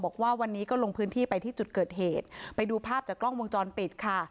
บอกว่าวันนี้ก็ลงพื้นที่ไปที่จุดเกิดเหตุไปดูภาพจากกล้องวงจรปิดค่ะ